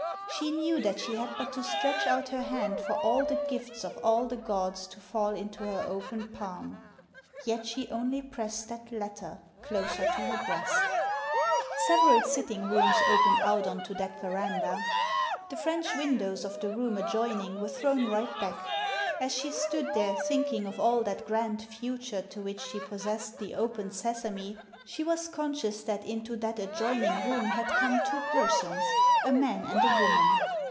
She knew that she had but to stretch out her hand for all the gifts of all the gods to fall into her open palm; yet she only pressed that letter closer to her breast Several sitting rooms opened out on to that verandah. The French windows of the room adjoining were thrown right back. As she stood there, thinking of all that grand future to which she possessed the " open sesame," she was conscious that into that adjoining room had come two persons, a man and a woman.